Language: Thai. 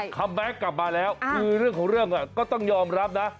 แม็กซ์กลับมาแล้วคือเรื่องของเรื่องก็ต้องยอมรับนะ